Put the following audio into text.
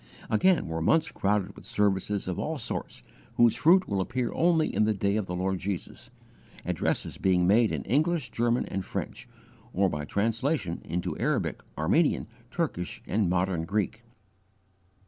Again were months crowded with services of all sorts whose fruit will appear only in the Day of the Lord Jesus, addresses being made in English, German, and French, or by translation into Arabic, Armenian, Turkish, and modern Greek.